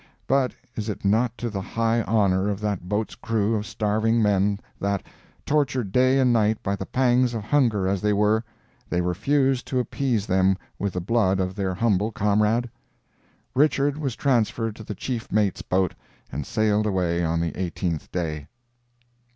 But is it not to the high honor of that boat's crew of starving men, that, tortured day and night by the pangs of hunger as they were, they refused to appease them with the blood of their humble comrade? Richard was transferred to the chief mate's boat and sailed away on the eighteenth day.